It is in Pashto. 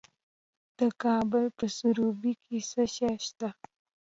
د کابل په سروبي کې څه شی شته؟